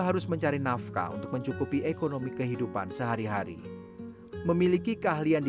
harus mencari nafkah untuk mencukupi ekonomi kehidupan sehari hari memiliki keahlian di